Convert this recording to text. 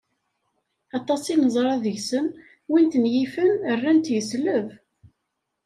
Aṭas i neẓra deg-sen, win ten-yifen rran-t yesleb